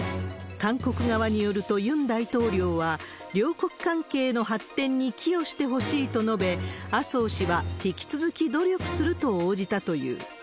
韓国側によると、ユン大統領は両国関係の発展に寄与してほしいと述べ、麻生氏は引き続き努力すると応じたという。